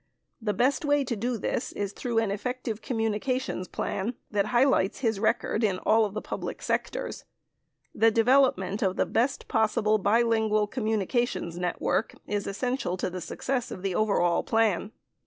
The best way to do this is through an effective communications plan that highlights his record in all of the public sectors. The development of the best possible bi lingual communications network is essential to the success of the overall plan.